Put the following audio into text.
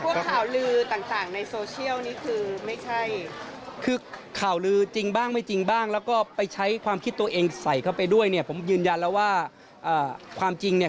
พวกข่าวลือต่างในโซเซียลนี่คือไม่ใช่